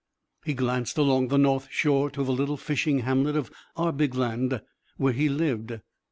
He glanced along the north shore to the little fishing hamlet of Arbigland where he lived.